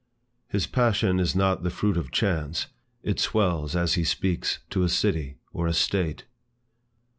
His passion is not the fruit of chance; it swells, as he speaks, to a city, or a state.